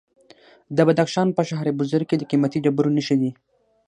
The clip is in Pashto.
د بدخشان په شهر بزرګ کې د قیمتي ډبرو نښې دي.